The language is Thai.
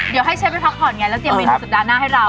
เดี๋ยวให้เชฟไปพักผ่อนไงแล้วเตรียมไว้ในสัปดาห์หน้าให้เรา